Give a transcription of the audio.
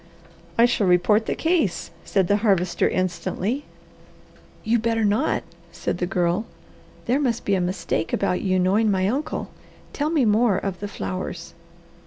"I shall report the case," said the Harvester instantly. "You better not!" said the Girl. "There must be a mistake about you knowing my uncle. Tell me more of the flowers."